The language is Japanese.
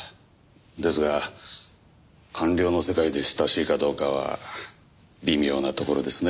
ですが官僚の世界で親しいかどうかは微妙なところですね。